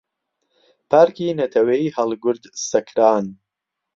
پارکی نەتەوەییی هەڵگورد سەکران